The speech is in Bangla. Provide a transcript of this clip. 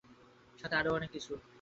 সাথে আরো কিছু জিনিস।